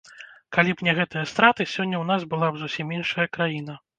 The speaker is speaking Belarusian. Калі б не гэтыя страты, сёння ў нас была б зусім іншая краіна.